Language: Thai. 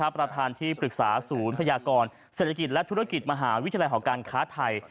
ประธานที่ปรึกษาศูนย์พยากรเศรษฐกิจและธุรกิจมหาวิทยาลัยหอการค้าไทย